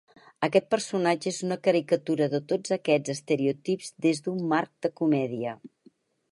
Aquest personatge és una caricatura de tots aquests estereotips des d'un marc de comèdia.